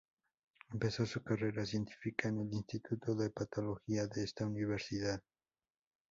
Empezó su carrera científica en el Instituto de Patología de esta universidad.